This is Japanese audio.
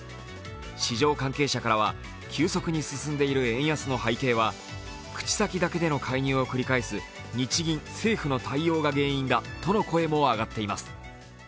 市場関係者からは急速に進んでいる円安の背景は、口先だけの介入を繰り返す日銀・政府の対応が原因だとの声があがっています。